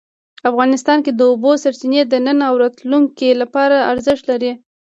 افغانستان کې د اوبو سرچینې د نن او راتلونکي لپاره ارزښت لري.